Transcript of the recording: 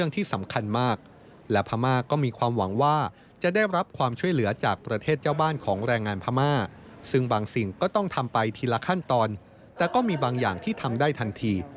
แต่ก็มีบางอย่างที่ทำได้ทันที